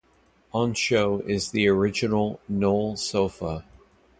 On show is the original Knole Sofa.